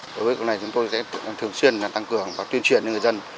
đối với cuộc này chúng tôi sẽ thường xuyên tăng cường và tuyên truyền cho người dân